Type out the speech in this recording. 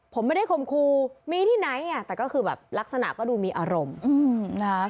ผมไม่ได้คมครูมีที่ไหนอ่ะแต่ก็คือแบบลักษณะก็ดูมีอารมณ์นะคะ